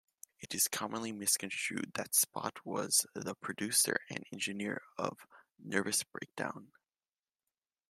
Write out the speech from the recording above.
It is commonly misconstrued that Spot was the producer and engineer of "Nervous Breakdown".